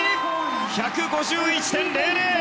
１５１．００。